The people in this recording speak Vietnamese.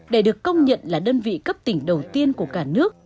để được công nhận là đơn vị cấp tỉnh đầu tiên của cả nước